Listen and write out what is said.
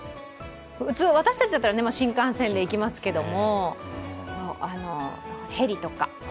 普通、私たちだったら新幹線で行きますけれども、ヘリとか。